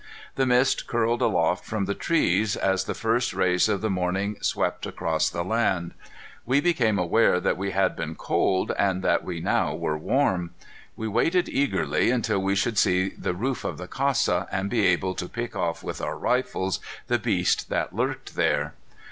The mist curled aloft from the treetops as the first rays of the morning swept across the land. We became aware that we had been cold and that we now were warm. We waited eagerly until we should see the roof of the casa, and be able to pick off with our rifles the beast that lurked there.